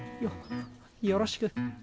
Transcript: よろしく。